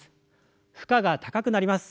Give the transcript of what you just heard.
負荷が高くなります。